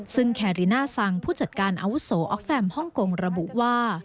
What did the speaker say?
ซึ่งแคริน่าซังผู้จัดการอาวุโสออกแฟมฮ่องกงระบุว่า